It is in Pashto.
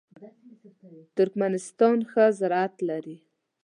ترکمنستان ښه زراعت لري.